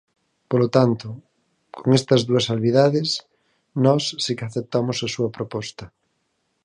Polo tanto, con estas dúas salvidades, nós si que aceptamos a súa proposta.